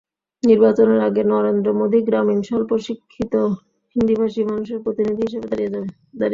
নির্বাচনের আগে নরেন্দ্র মোদি গ্রামীণ স্বল্প-শিক্ষিত হিন্দিভাষী মানুষের প্রতিনিধি হিসেবে দাঁড়িয়ে যান।